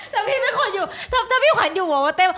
ถ้าพี่เหมือนคนอยู่ถ้าพี่ขวัญฯอยู่หรอว่าเต้